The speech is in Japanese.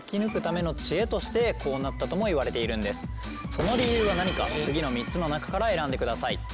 その理由は何か次の３つの中から選んでください。